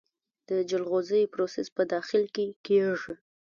د جلغوزیو پروسس په داخل کې کیږي؟